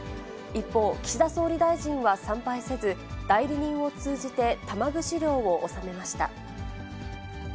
一方、岸田総理大臣は参拝せず、代理人を通じて玉串料を納めました。